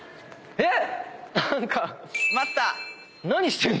えっ？